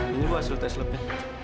ini buah hasil tes lab nya